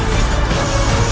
kepas lagi bol